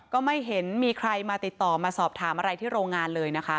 ก็ไม่เห็นมีใครมาติดต่อมาสอบถามอะไรที่โรงงานเลยนะคะ